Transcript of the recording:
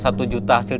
satu juta hasil